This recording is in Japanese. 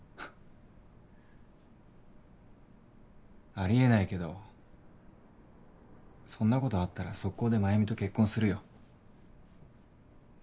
あり得ないけどそんなことあったらソッコーで繭美と結婚するよ。